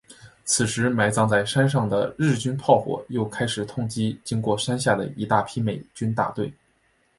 此时埋藏在山上的日军炮火又开始痛击经过山下的一批美军大队。